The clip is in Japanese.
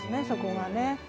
そこがね。